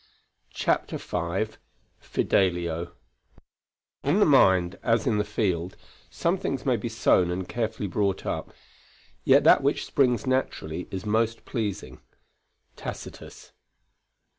CHAPTER V FIDELIO In the mind as in a field, some things may be sown and carefully brought up, yet that which springs naturally is most pleasing. TACITUS.